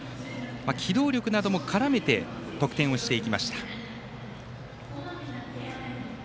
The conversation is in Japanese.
機動力なども絡めて得点をしていきました。